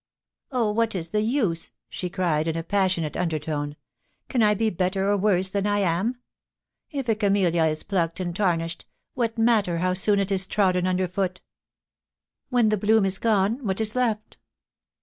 * Oh ! what> is the use ?* she cried, in a passionate under tone. * Can I be better or worse than I am ? If a camellia is plucked and tarnished, what matter how soon it is trodden under foot ?... When the bloom is gone, what is left